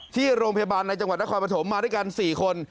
ที่โรงพยาบาลในจังหวัดนครปฐมมาด้วยกัน๔คน